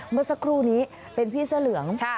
เมื่อสักครู่นี้เป็นพี่เสื้อเหลือง